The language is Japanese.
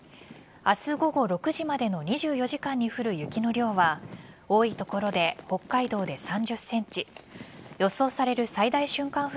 明日午後６時までの２４時間に降る雪の量は多い所で北海道で３０ｃｍ予想される最大瞬間